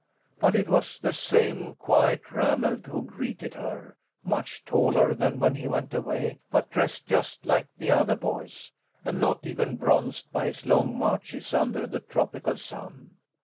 But it was the same quiet Ranald who greeted her, much taller than when he went away, but dressed just like the other boys, and not even bronzed by his long marches under the tropical sun.